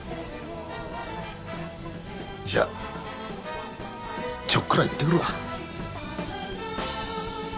じゃあちょっくら行ってくるわ。